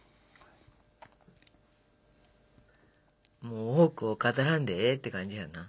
もう多くを語らんでええって感じやんな。